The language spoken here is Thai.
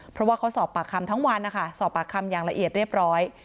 เพราะว่าเขาสอบปากคำทั้งวันนะคะสอบปากคำอย่างละเอียดเรียบร้อย